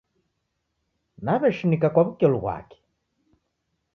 Naw'eshinika kwa wukelu ghwake